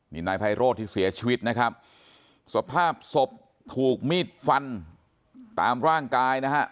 นี่นายไพโรธที่เสียชีวิตนะครับสภาพศพถูกมีดฟันตามร่างกายนะฮะ